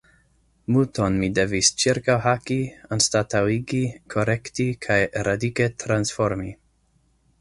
Multon mi devis ĉirkaŭhaki, anstataŭigi, korekti kaj radike transformi.